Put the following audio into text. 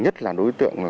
nhất là đối tượng